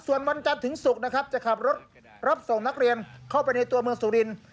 ส่วนวันจันทร์ถึงศุกร์นะครับจะขับรถรับส่งนักเรียนเข้าไปในตัวเมืองสุรินทร์